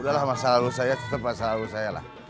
udah lah masalah lalu saya tetap masalah lalu saya lah